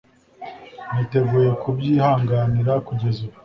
niteguye kubyihanganira kugeza ubu